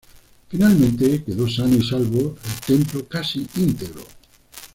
Finalmente quedó sano y salvo, el templo casi íntegro.